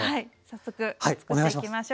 早速つくっていきましょう。